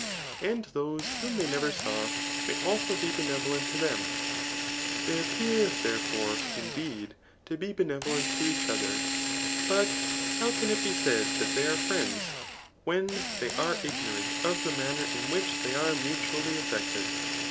And those whom they never saw may also be benevolent to them. They appear, therefore, indeed, to be benevolent to each other ; but how can it be said that they are friends, when they are ignorant of the manner in which they are mutually sheeted